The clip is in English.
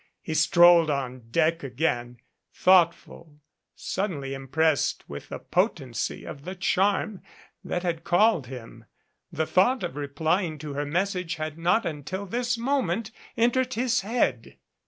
He strolled on deck again, thoughtful, suddenly impressed with the potency of the charm that had called him. The thought of replying to her message had not un til this moment entered his head.